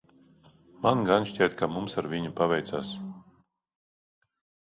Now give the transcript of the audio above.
Man gan šķiet, ka mums ar viņu paveicās.